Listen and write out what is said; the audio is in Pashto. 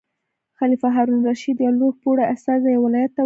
خلیفه هارون الرشید یو لوړ پوړی استازی یو ولایت ته ولېږه.